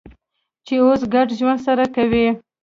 چې اوس ګډ ژوند سره کوي.